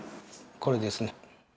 これですね。